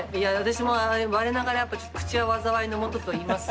いや私も我ながら「口はわざわいのもと」と言います。